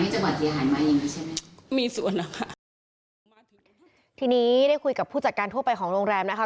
จังหวัดเสียหายไหมอย่างงี้ใช่ไหมมีส่วนแล้วค่ะทีนี้ได้คุยกับผู้จัดการทั่วไปของโรงแรมนะคะ